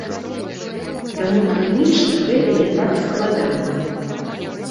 Таму тэхнічна гэта не так складана.